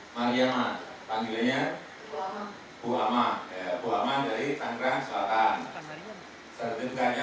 mariana tanggalnya buama buama buama dari tangga selatan